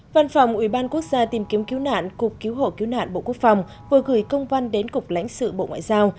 văn phòng ủy ban quốc gia tìm kiếm cứu nạn cục cứu hộ cứu nạn bộ quốc phòng vừa gửi công văn đến cục lãnh sự bộ ngoại giao